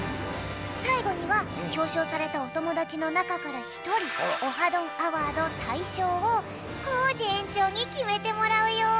さいごにはひょうしょうされたおともだちのなかからひとり「オハ！どんアワード」たいしょうをコージえんちょうにきめてもらうよ。